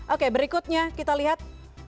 oke berikutnya kita lihat